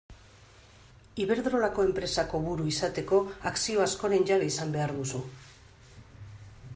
Iberdrolako enpresako buru izateko akzio askoren jabe izan behar duzu.